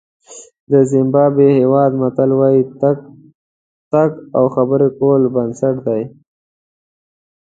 د زیمبابوې هېواد متل وایي تګ او خبرې کول بنسټ دی.